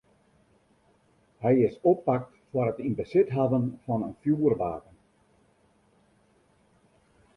Hy is oppakt foar it yn besit hawwen fan in fjoerwapen.